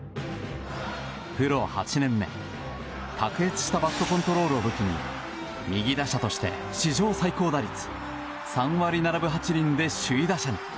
プロ８年目、卓越したバットコントロールを武器に右打者として史上最高打率３割７分８厘で首位打者に。